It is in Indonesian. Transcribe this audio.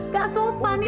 gak sopan itu dino